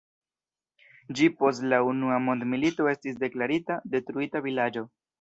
Ĝi post la Unua mondmilito estis deklarita "detruita vilaĝo".